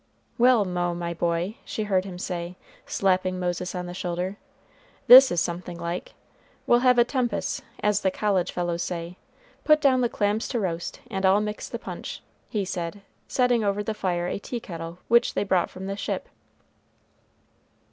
"Well, Mo, my boy," she heard him say, slapping Moses on the shoulder, "this is something like. We'll have a 'tempus,' as the college fellows say, put down the clams to roast, and I'll mix the punch," he said, setting over the fire a tea kettle which they brought from the ship.